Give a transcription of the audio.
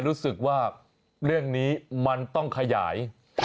รู้สึกว่าเรื่องนี้มันต้องขยาย